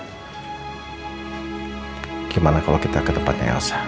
bagaimana kalau kita ke tempatnya elsa